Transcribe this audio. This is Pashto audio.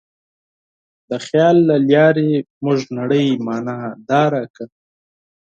د خیال له لارې موږ نړۍ معنیداره کړه.